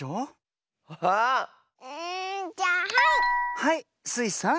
はいスイさん。